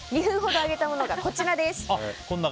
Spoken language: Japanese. ２分ほど揚げたものがこちらです。